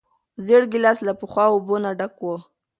زېړ ګیلاس له یخو اوبو نه ډک و.